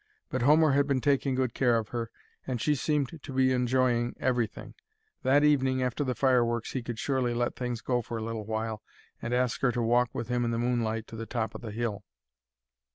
But Homer had been taking good care of her, and she seemed to be enjoying everything. That evening, after the fireworks, he could surely let things go for a little while, and ask her to walk with him in the moonlight to the top of the hill.